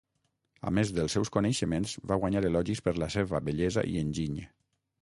A més dels seus coneixements, va guanyar elogis per la seva bellesa i enginy.